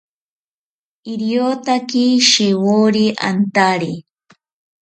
Iriotaki shewori antari